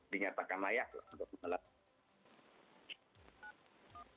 dinyatakan layak untuk melakukan